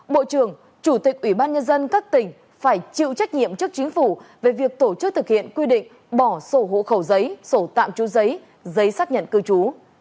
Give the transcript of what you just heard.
bộ trưởng chủ tịch ủy ban nhân dân các tỉnh phải chịu trách nhiệm trước chính phủ về việc tổ chức thực hiện quy định bỏ sổ hộ khẩu giấy sổ tạm trú giấy giấy xác nhận cư trú